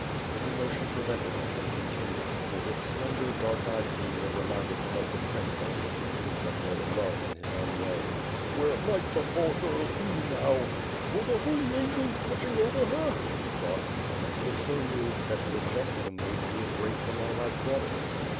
His emotion prevented him from continuing, for this slender dark eyed Xenia reminded him of the princess whom Zagloba loved in his own way. "Where might the poor girl be now? Were the Hoi Angels watching over her," he thought, and he was so moved that he was just in a mood to embrace them all as brothers.